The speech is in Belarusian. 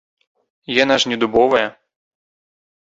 Яна ж не дубовая.